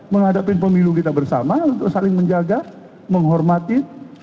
menghadapi pemilu kita bersama untuk saling menjaga menghormati